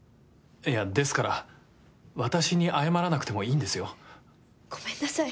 いやですから私に謝らなくてもいいんですよ。ごめんなさい